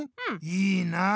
いいなあ。